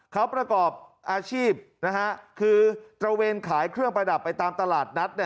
เขาประกอบอาชีพคือตระเวนขายเครื่องประดับไปตามตลาดนัด